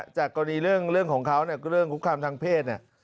จากกรณีเรื่องของเขาก็เรื่องคุกคามทางเพศ